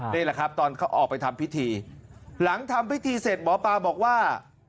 นี่แหละครับตอนเขาออกไปทำพิธีหลังทำพิธีเสร็จหมอปลาบอกว่า